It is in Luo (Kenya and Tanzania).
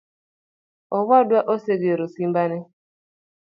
Owadwa osegero simba ne